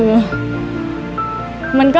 มันก็เสียใจนะครับ